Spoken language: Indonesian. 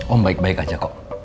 om baik baik aja kok